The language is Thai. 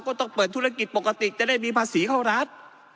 ก็ต้องเปิดธุรกิจปกติจะได้มีภาษีเข้ารัฐ